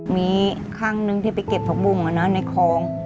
มีข้างหนึ่งที่ไปเก็บผักบุ่งอ่ะนะในครอง